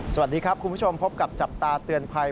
สวัสดีครับคุณผู้ชมพบกับจับตาเตือนภัย